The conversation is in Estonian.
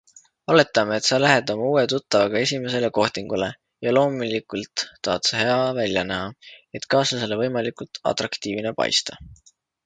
Oletame, et sa lähed oma uue tuttavaga esimesele kohtingule ja loomulikult tahad sa hea välja näha, et kaaslasele võimalikult atraktiivne paista.